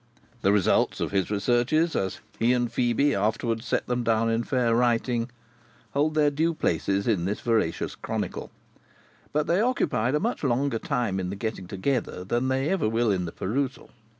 The results of his researches, as he and Phœbe afterwards set them down in fair writing, hold their due places in this veracious chronicle, from its seventeenth page, onward. But they occupied a much longer time in the getting together than they ever will in the perusal.